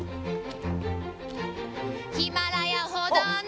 「ヒマラヤほどの」